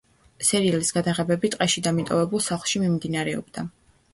სერიალის გადაღებები ტყეში და მიტოვებულ სახლში მიმდინარეობდა.